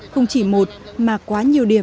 không chỉ một mà quá nhiều điểm